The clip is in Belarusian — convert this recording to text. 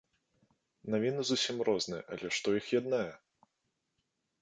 Навіны зусім розныя, але што іх яднае?